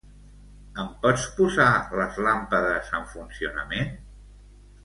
Em pots posar les làmpades en funcionament?